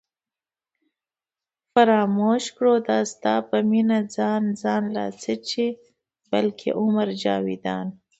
فراموش کړو دا ستا په مینه ځان ځان لا څه چې بلکې عمر جاوېدان